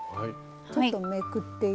ちょっとめくって頂いて。